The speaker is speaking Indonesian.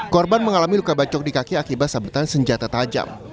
korban mengalami luka bacok di kaki akibat sabetan senjata tajam